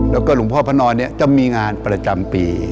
แล้วก็หลวงพ่อพระนอนเนี่ยจะมีงานประจำปี